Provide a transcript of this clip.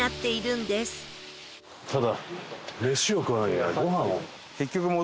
ただ。